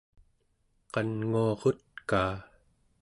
qannguarutkaa